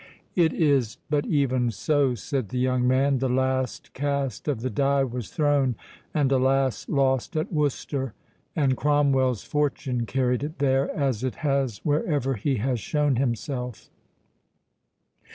"It is but even so," said the young man—"the last cast of the die was thrown, and, alas! lost at Worcester; and Cromwell's fortune carried it there, as it has wherever he has shown himself."